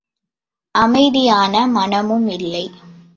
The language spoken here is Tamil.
அமைதியான மனமும் இல்லை.